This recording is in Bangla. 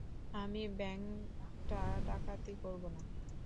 আমি ব্যাংকটা ডাকাতি করবোনা।